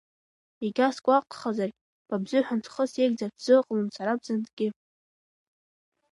Егьа сгәаҟхьазаргь, ба бзыҳәан, схы сеигӡартә сзыҟалом сара бзанҵгьы.